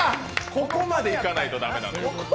ここまでいかないとだめなのよ。